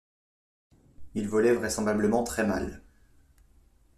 Il volait vraisemblablement très mal.